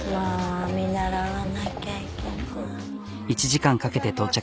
１時間かけて到着。